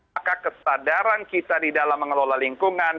maka kesadaran kita di dalam mengelola lingkungan